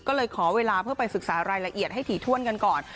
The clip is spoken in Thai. ก็เลยขอเวลาเพื่อไปศึกษารายละเอียดให้ถี่ถ้วนกันก่อน